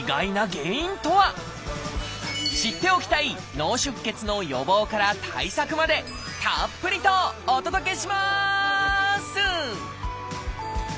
知っておきたい脳出血の予防から対策までたっぷりとお届けします！